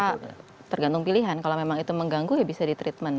karena tergantung pilihan kalau memang itu mengganggu ya bisa di treatment